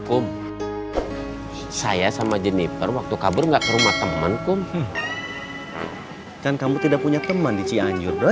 um saya sama jennifer waktu kabur enggak ke rumah temenku kan kamu tidak punya teman di cianjur doy